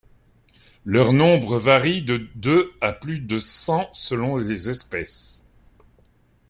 Leur nombre varie de deux à plus de cent selon les espèces.